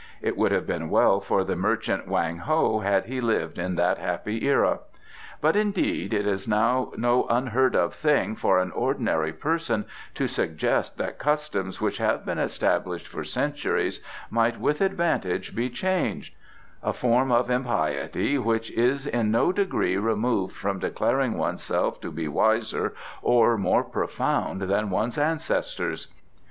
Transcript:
It would have been well for the merchant Wang Ho had he lived in that happy era. But, indeed, it is now no unheard of thing for an ordinary person to suggest that customs which have been established for centuries might with advantage be changed a form of impiety which is in no degree removed from declaring oneself to be wiser or more profound than one's ancestors!